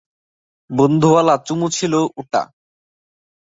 বন্ধুওয়ালা চুমু ছিল ওটা।